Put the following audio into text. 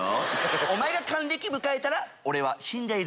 お前が還暦迎えたら俺は死んでいる